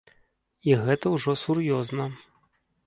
І гэта ўжо сур'ёзна.